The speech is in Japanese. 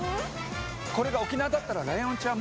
これが沖縄だったらライオンちゃん